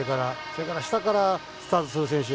それから下からスタートする選手